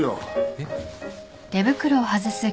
えっ？